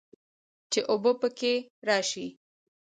چې اوبۀ به پکښې راشي